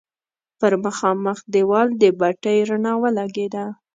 پر مخامخ دېوال د بتۍ رڼا ولګېده.